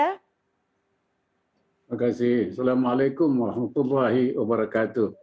terima kasih assalamualaikum warahmatullahi wabarakatuh